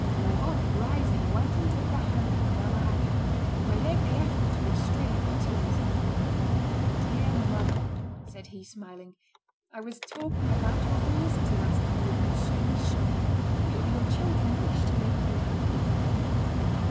Laurent, rising, went and took the hand of Madame Raquin, who made every effort to restrain her tears. "Dear mother," said he smiling, "I was talking about your felicity, last night, with M. Michaud. Your children wish to make you happy."